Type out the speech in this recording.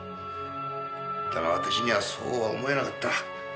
だが私にはそうは思えなかった。